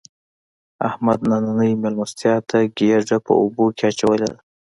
احمد نننۍ مېلمستیا ته ګېډه په اوبو کې اچولې ده.